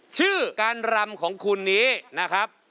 ชื่อการรำของคุณนี้นะครับ